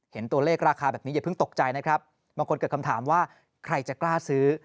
เห็นตัวเลขราคาแบบนี้อย่าเพิ่งตกใจนะครับบางคนเกิดคำถามว่าใครจะกล้าซื้อ